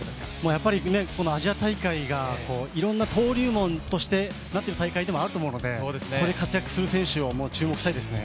やっぱり、アジア大会がいろんな登竜門としてなっているものなので活躍する選手を期待したいですね。